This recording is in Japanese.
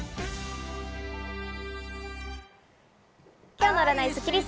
今日の占いスッキリす。